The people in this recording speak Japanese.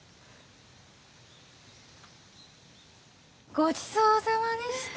ごちそうさまでした！